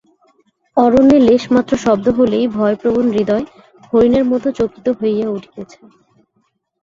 অরণ্যে লেশমাত্র শব্দ হইলেই ভয়প্রবণ হৃদয় হরিণের মতো চকিত হইয়া উঠিতেছে।